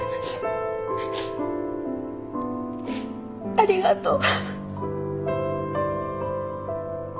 ありがとう。